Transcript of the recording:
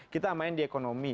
kita main di ekonomi